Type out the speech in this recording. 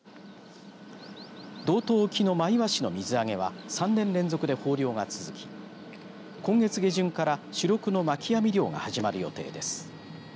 道東沖のマイワシの水揚げは３年連続で豊漁が続き今月下旬から主力の巻き網漁が始まる予定です。